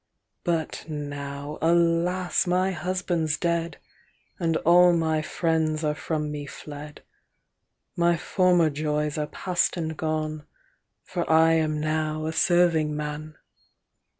XXII'But now, alas! my husband's dead, And all my friends are from me fled; My former joys are pass'd and gone, For I am now a serving man.